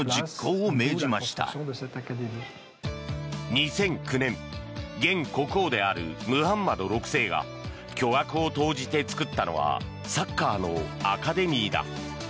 ２００９年現国王であるムハンマド６世が巨額を投じて作ったのはサッカーのアカデミーだ。